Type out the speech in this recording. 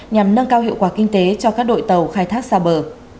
nhằm nâng cao hiệu quả kinh tế cho các đội tàu khai thác xa bờ